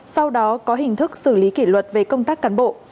sau đó có hình thức xử lý kỷ luật về công tác cán bộ